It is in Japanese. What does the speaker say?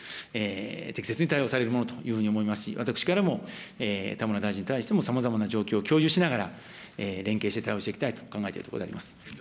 適切に対応されるものというふうに思いますし、私からも、田村大臣に対してもさまざまな状況を共有しながら、連携して対応していきたいと考えているところでございます。